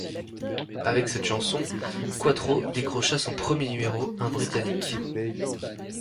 Avec cette chanson, Quatro décrocha son premier numéro un britannique.